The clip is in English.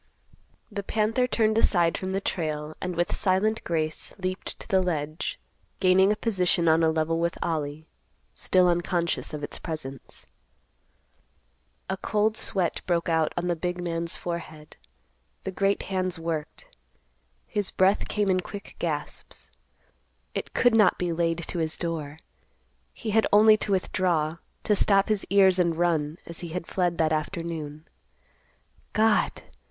The panther turned aside from the trail and with silent grace leaped to the ledge, gaining a position on a level with Ollie—still unconscious of its presence. A cold sweat broke out on the big man's forehead. The great hands worked. His breath came in quick gasps. It could not be laid to his door. He had only to withdraw, to stop his ears and run, as he had fled that afternoon. God!